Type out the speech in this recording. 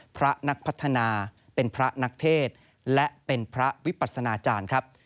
พระนักพัฒนาเป็นพระนักเทศและเป็นพระวิปัสนาจารย์ครับ